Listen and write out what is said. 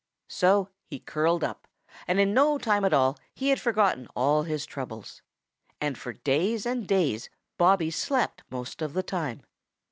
So he curled up, and in no time at all he had forgotten all his troubles. And for days and days Bobby slept most of the time.